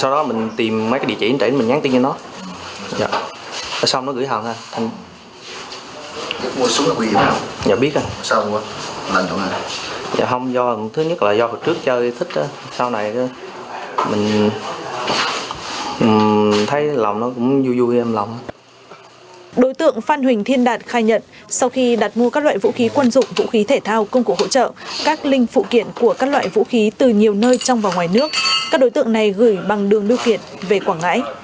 đối tượng phan huỳnh thiên đạt khai nhận sau khi đặt mua các loại vũ khí quân dụng vũ khí thể thao công cụ hỗ trợ các linh phụ kiện của các loại vũ khí từ nhiều nơi trong và ngoài nước các đối tượng này gửi bằng đường lưu kiện về quảng ngãi